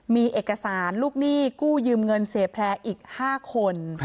มีเอกสารลูกหนี้กู้ยืมเงินเสียแพร่อีก๕คน